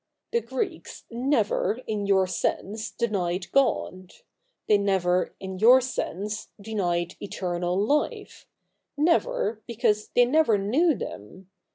The Greeks never, in your sense, denied God ; they never, in your sense, denied eternal life — never, because they never knew them.